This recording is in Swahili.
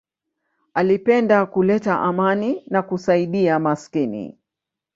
Alipenda kuleta amani na kusaidia maskini.